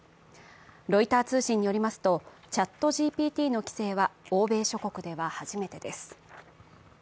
ロイター通信によりますとチャットＧＰＴの規制は欧米諸国では初めてです。